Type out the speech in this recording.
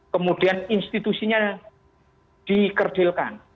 kemudian institusinya dikerdilkan